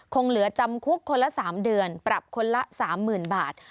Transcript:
คงเหลือจำคุกคนละ๓เดือนปรับคนละ๓๐๐๐บาท